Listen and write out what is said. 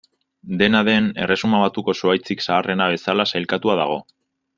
Dena den, Erresuma Batuko zuhaitzik zaharrena bezala sailkatua dago.